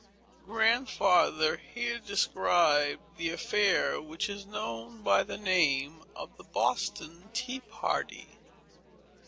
Grandfather here described the affair, which is known by the name of the Boston Tea Party.